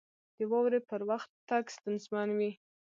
• د واورې پر وخت تګ ستونزمن وي.